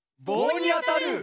ぼうにあたる！